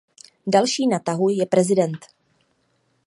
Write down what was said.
Další na tahu je prezident.